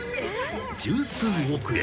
［十数億円］